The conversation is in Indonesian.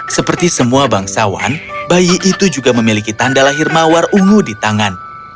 seperti semua bangsawan bayi itu juga memiliki tanda lahir mawar ungu di tangan